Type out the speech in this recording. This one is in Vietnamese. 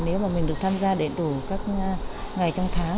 nếu mà mình được tham gia đầy đủ các ngày trong tháng